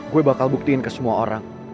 gue bakal buktiin ke semua orang